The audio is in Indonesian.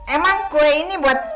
emang kue ini buat